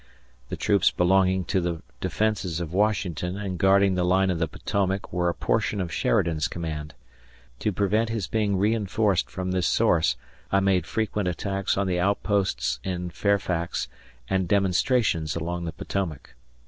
The troops belonging to the defences of Washington and guarding the line of the Potomac were a portion of Sheridan's command. To prevent his being reinforced from this source, I made frequent attacks on the outposts in Fairfax and demonstrations along the Potomac.